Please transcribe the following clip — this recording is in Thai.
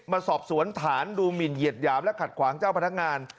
มาสอบสวนฐานดูหมินเหยียดหยามและขัดขวางเจ้าพนักงาน